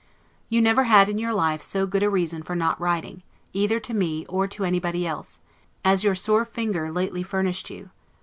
You never had in your life so good a reason for not writing, either to me or to anybody else, as your sore finger lately furnished you.